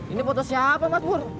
ini foto siapa mas bur